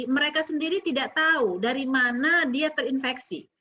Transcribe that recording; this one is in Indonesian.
mereka sendiri tidak tahu dari mana dia terinfeksi